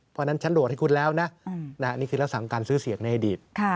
เพราะฉันโหดให้คุณแล้วนะอืมนะฮะนี่คือลักษณะการซื้อเสียงในอดีตค่ะ